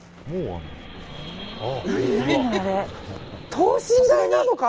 等身大なのか？